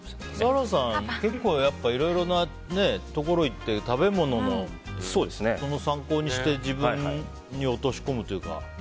笠原さん、結構いろんなところに行って食べ物の参考にして自分に落とし込むというか。